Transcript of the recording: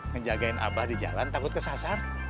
ngejagain abah di jalan takut kesasar